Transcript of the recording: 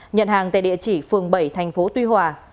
nhận hàng tại địa chỉ phường bảy thành phố tuy hòa